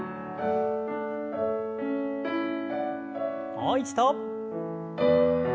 もう一度。